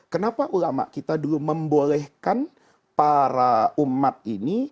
kenapa ulama kita dulu membolehkan para umat ini